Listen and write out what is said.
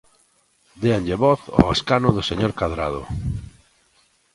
Déanlle voz ao escano do señor Cadrado.